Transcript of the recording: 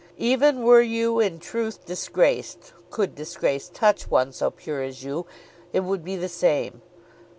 Even were you in truth disgraced, could disgrace touch one so pure as you, it would be the same.